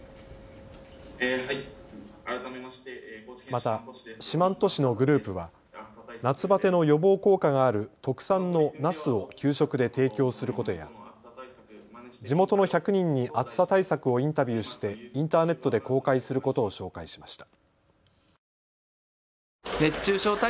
また四万十市のグループは夏バテの予防効果がある特産のナスを給食で提供することや地元の１００人に暑さ対策をインタビューしてインターネットで公開することを紹介しました。